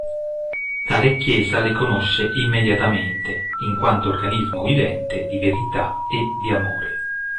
Tale chiesa le conosce "immediatamente", in quanto organismo vivente di verità e di amore.